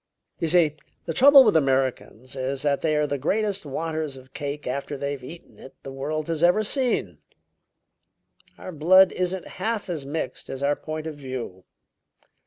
"You see, the trouble with Americans is that they are the greatest wanters of cake after they've eaten it the world has ever seen. Our blood isn't half as mixed as our point of view.